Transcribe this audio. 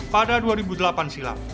pada dua ribu delapan silam